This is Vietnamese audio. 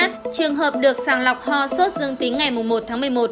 trường hợp được sàng lọc ho sốt dương tính ngày một tháng một mươi một